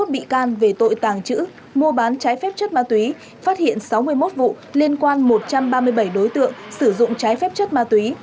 hai mươi một bị can về tội tàng trữ mua bán trái phép chất ma túy phát hiện sáu mươi một vụ liên quan một trăm ba mươi bảy đối tượng sử dụng trái phép chất ma túy